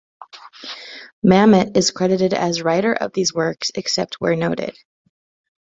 Mamet is credited as writer of these works except where noted.